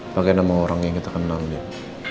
pakai nama orang yang kita kenal dia